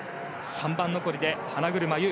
３番残りで花車優。